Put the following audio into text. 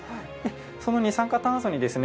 その二酸化炭素にですね